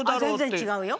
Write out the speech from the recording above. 全然違うよ。